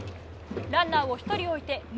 ランナーを１人置いて、丸。